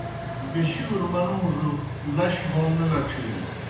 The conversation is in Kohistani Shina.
بَیشُوروْ منُوڙَوْ لش بون نہ لڇِھینوْ۔